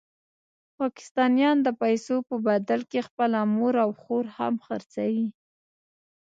پاکستانیان د پیسو په بدل کې خپله مور او خور هم خرڅوي.